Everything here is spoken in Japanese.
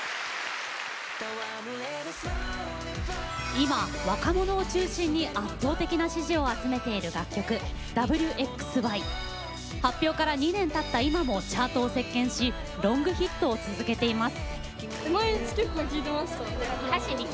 今若者を中心に圧倒的な支持を集めている楽曲発表から２年たった今もチャートを席けんしロングヒットを続けています。